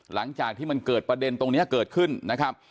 หลังจากที่มันเกิดประเด็นตรงนี้เกิดขึ้นนะครับ